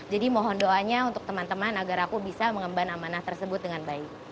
jadi mohon doanya untuk teman teman agar aku bisa mengemban amanah tersebut dengan baik